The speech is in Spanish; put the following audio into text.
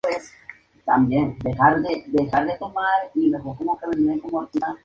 En Madrid, residió en Carabanchel y en el Barrio de La Estrella.